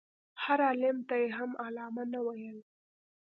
هر عالم ته یې هم علامه نه ویل.